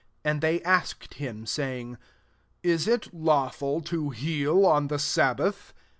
And they asked him, saying, '* Is it law ful to heal on the sabbath?"